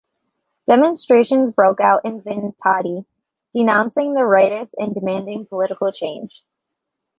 Demonstrations broke out in Vientiane, denouncing the rightists and demanding political change.